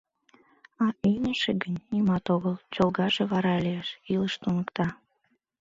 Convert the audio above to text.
А ӱҥышӧ гын, нимат огыл, чолгаже вара лиеш, илыш туныкта.